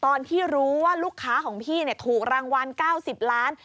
ตอนที่รู้ว่าลูกค้าของพี่ถูกรางวัล๙๐ล้าน